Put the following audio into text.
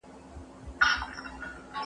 هغه ښځه چې ولاړه وه، ښوونکې وه.